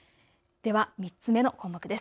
では３つ目の項目です。